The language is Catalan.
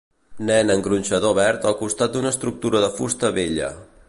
Nen en gronxador verd al costat d'una estructura de fusta vella.